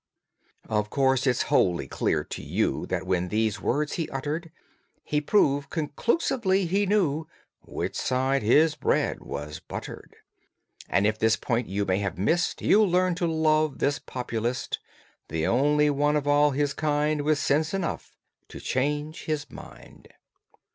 Of course it's wholly clear to you That when these words he uttered He proved conclusively he knew Which side his bread was buttered; And, if this point you have not missed, You'll learn to love this populist, The only one of all his kind With sense enough to change his mind.